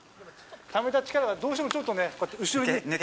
ためた力がどうしてもちょっとね、後ろに。